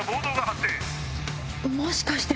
もしかして！